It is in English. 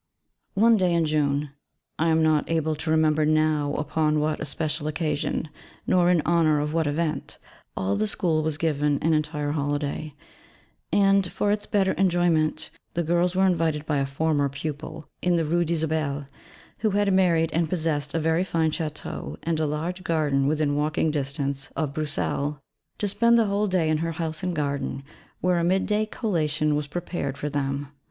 One day in June, I am not able to remember now upon what especial occasion, nor in honour of what event, all the school was given an entire holiday: and, for its better enjoyment, the girls were invited by a former pupil in the Rue d'Isabelle, who had married and possessed a fine château and a large garden within walking distance of Bruxelles, to spend the whole day in her house and garden, where a mid day collation was prepared for them.